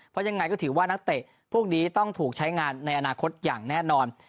เพราะยังไงก็ถือว่านักเตะพวกนี้ต้องถูกใช้งานในอนาคตอย่างแน่นอน